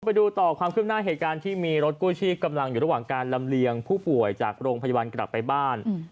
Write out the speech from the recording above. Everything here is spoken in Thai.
ไปดูต่อความขึ้นหน้าเหตุการณ์ที่มีรถกู้ชีพกำลังอยู่ระหว่างการลำเลียงผู้ป่วยจากโรงพยาบาลกลับไปบ้าน